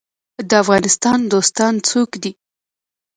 د افغانستان دوستان څوک دي؟